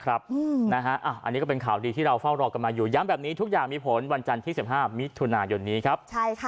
อันนี้ก็เป็นข่าวดีที่เราเฝ้ารอกันมาอยู่ย้ำแบบนี้ทุกอย่างมีผลวันจันทร์ที่๑๕มิถุนายนนี้ครับ